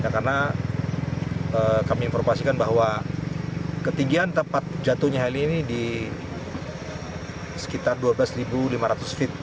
karena kami informasikan bahwa ketinggian tempat jatuhnya heli ini di sekitar dua belas lima ratus feet